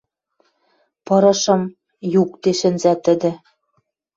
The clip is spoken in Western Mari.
Пырышым. Юкде шӹнзӓ тӹдӹ.